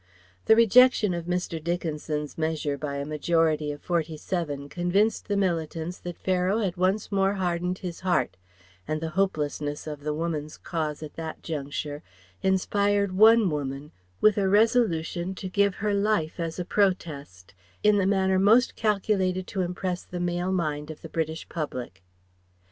The rejection of Mr. Dickinson's measure by a majority of forty seven convinced the Militants that Pharaoh had once more hardened his heart; and the hopelessness of the Woman's cause at that juncture inspired one woman with a resolution to give her life as a protest in the manner most calculated to impress the male mind of the British public.